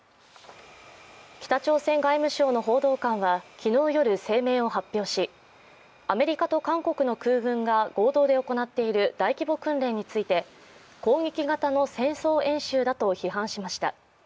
北朝鮮外務省の報道官は昨日夜声明を発表し、アメリカと韓国の空軍が合同で行っている大規模訓練について攻撃型の戦争演習だと批判しました。